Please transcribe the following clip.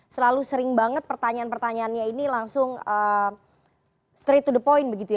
selalu sering banget pertanyaan pertanyaannya ini langsung straight to the point begitu ya